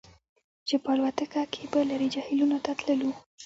چې په الوتکه کې به لرې جهیلونو ته تللو